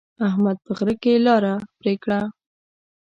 احمد په غره کې لاره پرې کړه.